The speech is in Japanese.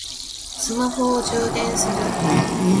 スマホを充電する